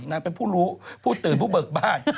นางเป็นผู้รู้ผู้ตื่นผู้เบิกบ้าน